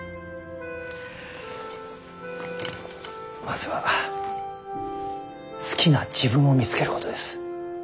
まずは好きな自分を見つけることです。